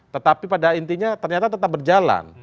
tetapi pada intinya ternyata tetap berjalan